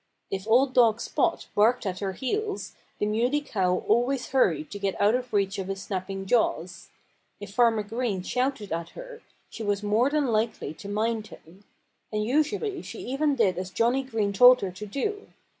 If old dog Spot barked at her heels the Muley Cow always hurried to get out of reach of his snapping jaws. If Farmer Green shouted at her she was more than likely to mind him. And usually she even did as Johnnie Green told her to do.